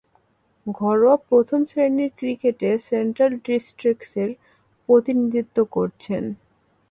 ঘরোয়া প্রথম-শ্রেণীর ক্রিকেটে সেন্ট্রাল ডিস্ট্রিক্টসের প্রতিনিধিত্ব করছেন।